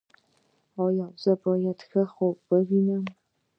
ایا زه باید ښه خوب ووینم؟